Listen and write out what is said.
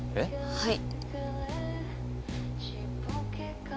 はい。